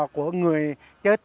của người chết